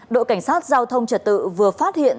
đội cảnh sát giao thông trật tự vừa phát hiện